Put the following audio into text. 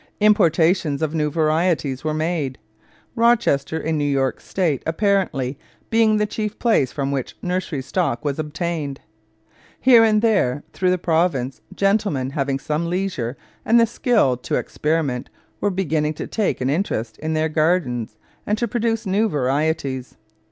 Importations of new varieties were made, Rochester, in New York State, apparently being the chief place from which nursery stock was obtained. Here and there through the province gentlemen having some leisure and the skill to experiment were beginning to take an interest in their gardens and to produce new varieties.